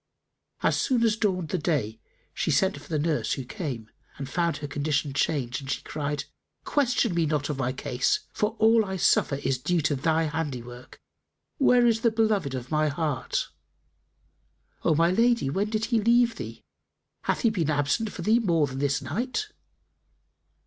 As soon as dawned the day, she sent for the nurse, who came and found her condition changed and she cried, "Question me not of my case; for all I suffer is due to thy handiwork. Where is the beloved of my heart?" "O my lady, when did he leave thee? Hath he been absent from thee more than this night?"